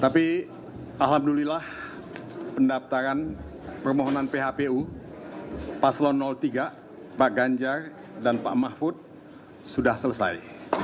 pembelian pahamannya phpu paslon tiga pak ganjar dan pak mahfud sudah selesai